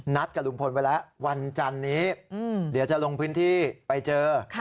กับลุงพลไว้แล้ววันจันนี้เดี๋ยวจะลงพื้นที่ไปเจอ